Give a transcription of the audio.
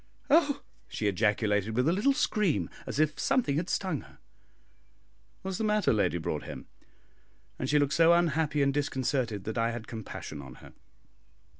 "Oh!" she ejaculated, with a little scream, as if something had stung her. "What is the matter, Lady Broadhem?" and she looked so unhappy and disconcerted that I had compassion on her.